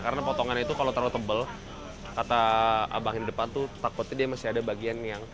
karena potongannya itu kalau terlalu tebal kata abangnya di depan tuh takutnya dia masih ada bagian yang